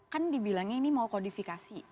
kan dibilangnya ini mau kodifikasi